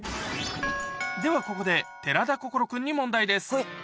ではここで、寺田心君に問題です。